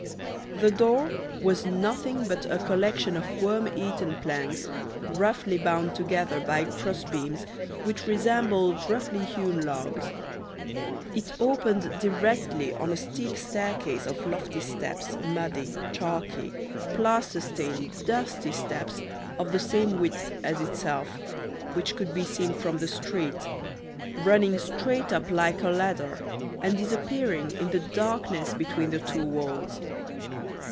The door was nothing but a collection of worm eaten planks roughly bound together by cross beams which resembled roughly hewn logs. It opened directly on a steep staircase of lofty steps, muddy, chalky, plaster stained, dusty steps, of the same width as itself, which could be seen from the street, running straight up like a ladder and disappearing in the darkness between two walls.